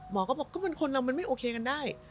หมอก็บอกก็เป็นคนเรามันไม่โอเคกันได้